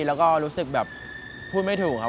แล้วก็รู้สึกแบบพูดไม่ถูกครับ